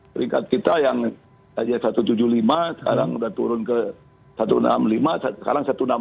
peringkat kita yang aja satu ratus tujuh puluh lima sekarang sudah turun ke satu ratus enam puluh lima sekarang satu ratus enam puluh